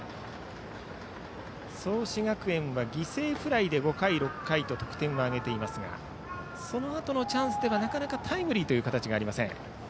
創志学園は犠牲フライで５回、６回と得点を挙げていますがそのあとのチャンスではなかなかタイムリーという形がありません。